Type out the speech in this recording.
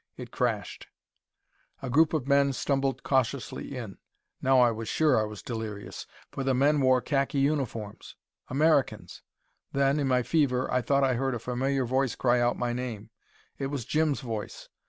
It crashed. A group of men stumbled cautiously in. Now I was sure I was delirious. For the men wore khaki uniforms! Americans! Then, in my fever, I thought I heard a familiar voice cry out my name. It was Jim's voice.